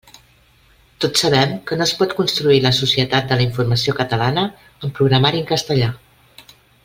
Tots sabem que no es pot construir la Societat de la Informació catalana amb programari en castellà.